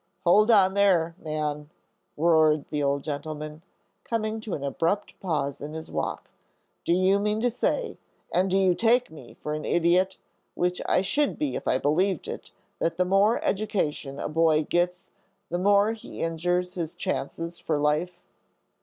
"Hold on there, man," roared the old gentleman, coming to an abrupt pause in his walk, "do you mean to say, and do you take me for an idiot, which I should be if I believed it, that the more education a boy gets, the more he injures his chances for life?"